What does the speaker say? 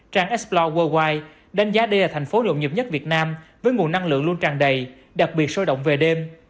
trang explore worldwide đánh giá đây là thành phố lộn nhập nhất việt nam với nguồn năng lượng luôn tràn đầy đặc biệt sôi động về đêm